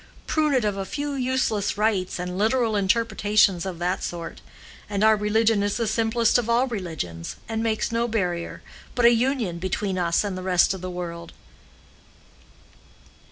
Prune it of a few useless rites and literal interpretations of that sort, and our religion is the simplest of all religions, and makes no barrier, but a union, between us and the rest of the world."